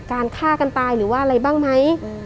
ฆ่ากันตายหรือว่าอะไรบ้างไหม